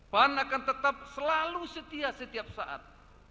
pan akan tetap selalu setia setiap saat